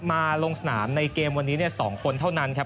ลงสนามในเกมวันนี้๒คนเท่านั้นครับ